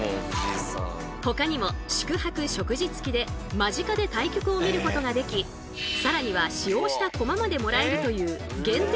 ほかにも宿泊・食事つきで間近で対局を見ることができさらには使用した駒までもらえるという限定